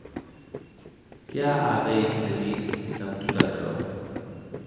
Qué a a veir Levin damb tot aquerò?